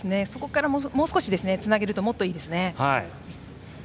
もう少しつなげるともっといいですね。